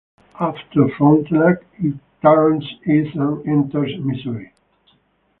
After Frontenac, it turns east and enters Missouri.